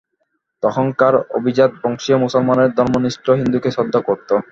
তখনকার অভিজাত বংশীয় মুসলমানের ধর্মনিষ্ঠ হিন্দুকে শ্রদ্ধা করত।